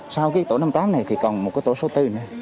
sau cái tổ năm tám này thì còn một cái tổ số bốn nữa